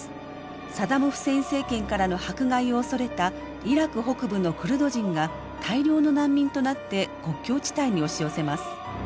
サダム・フセイン政権からの迫害を恐れたイラク北部のクルド人が大量の難民となって国境地帯に押し寄せます。